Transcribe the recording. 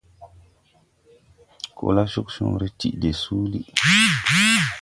Kola Cogcõõre la tiʼ de suuli.